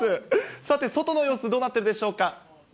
さて、外の様子どうなってるでしょうか。